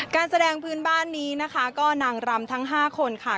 การแสดงพื้นบ้านนี้นะคะก็นางรำทั้ง๕คนค่ะ